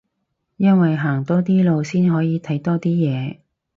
因為行多啲路先可以睇多啲嘢